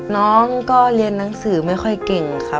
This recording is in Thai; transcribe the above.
น้องก็เรียนหนังสือไม่ค่อยเก่งครับ